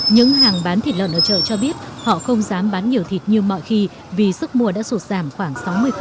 những hàng bán thịt lợn ở chợ cho biết họ không dám bán nhiều thịt như mọi khi vì sức mua đã sụt giảm khoảng sáu mươi